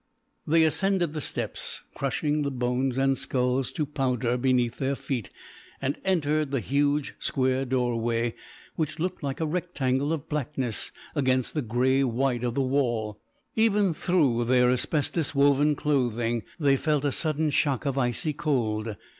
They ascended the steps, crushing the bones and skulls to powder beneath their feet, and entered the huge, square doorway, which looked like a rectangle of blackness against the grey white of the wall. Even through their asbestos woven clothing they felt a sudden shock of icy cold.